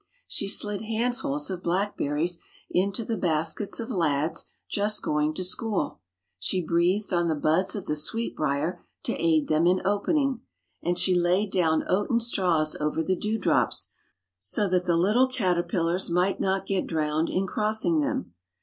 She slid handfuls of blackberries into the baskets of lads just going to school ; she breathed on the buds of the sweetbrier to aid them in opening; and she laid down oaten straws over the dew drops, so that the little cater pillars might not get drowned in crossing them.